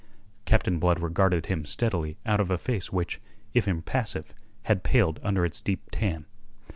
Captain Blood regarded him steadily out of a face which, if impassive, had paled under its deep tan.